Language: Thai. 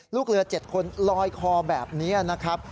ลูกเรือ๗คนลอยคอแบบนี้นะครับ